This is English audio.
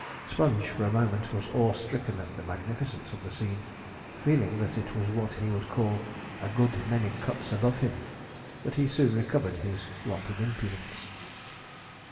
Sponge, for a moment, was awe stricken at the magnificence of the scene, feeling that it was what he would call 'a good many cuts above him'; but he soon recovered his wonted impudence.